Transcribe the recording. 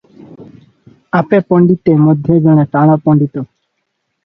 ଆପେ ପଣ୍ତିତେ ମଧ୍ୟ ଜଣେ ଟାଣ ପଣ୍ତିତ ।